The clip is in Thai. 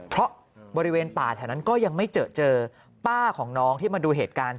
เพราะบริเวณป่าแถวนั้นก็ยังไม่เจอเจอป้าของน้องที่มาดูเหตุการณ์